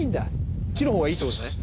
木の方がいいって事ですね。